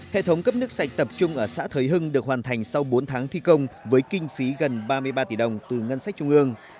hệ thống cấp nước sạch tập trung ở xã thới hưng được hoàn thành sau bốn tháng thi công với kinh phí gần ba mươi ba tỷ đồng từ ngân sách trung ương